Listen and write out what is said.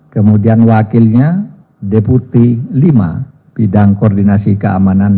kemudian wakilnya deputi lima bidang koordinasi keamanan